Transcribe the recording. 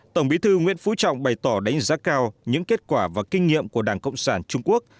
tổng bí thư nguyễn phú trọng bày tỏ đánh giá cao những kết quả và kinh nghiệm của đảng cộng sản trung quốc